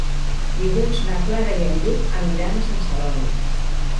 Dilluns na Clara i en Lluc aniran a Sant Celoni.